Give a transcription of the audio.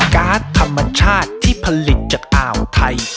การ์ดธรรมชาติที่ผลิตจากอ่าวไทย